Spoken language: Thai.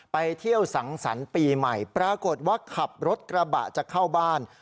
ไปเที่ยวสังสรรค์ปีใหม่ปรากฏว่าขับรถกระบะจะเข้าบ้าน